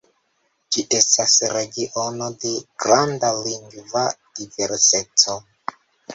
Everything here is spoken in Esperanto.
Ĝi estas regiono de granda lingva diverseco.